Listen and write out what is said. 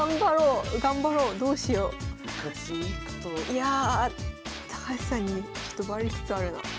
いやあ高橋さんにちょっとバレつつあるな。